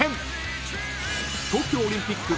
［東京オリンピック